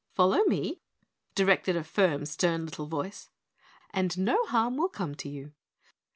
"Follow me," directed a firm, stern little voice, "and no harm will come to you."